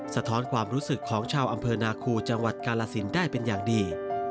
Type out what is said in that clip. สะท้อนความรู้สึกของชาวอำเภอนาคูจังหวัดกาลสินได้เป็นอย่างดี